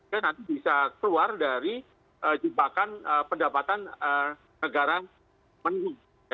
kita nanti bisa keluar dari jebakan pendapatan negara menunggu